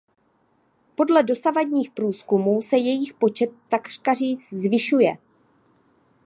Podle dosavadních průzkumů se jejich počet takříkajíc zvyšuje.